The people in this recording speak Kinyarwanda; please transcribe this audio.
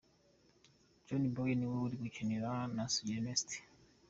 John Boye niwe uri gukinana na Sugira Ernest.